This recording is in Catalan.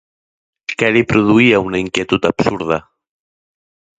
Què li produïa una inquietud absurda?